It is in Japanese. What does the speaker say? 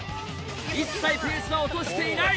一切ペースは落としていない。